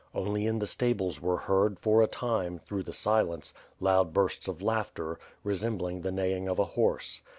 Only in the stables were heard, for a time, through the silence, loud bursts of laughter, resembling the neighing of a horse.